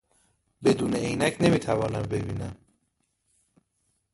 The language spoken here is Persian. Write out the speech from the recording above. بدون عینک نمیتوانم ببینم.